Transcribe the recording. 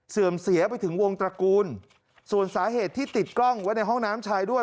เสื่อมเสียไปถึงวงตระกูลส่วนสาเหตุที่ติดกล้องไว้ในห้องน้ำชายด้วย